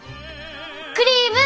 クリーム！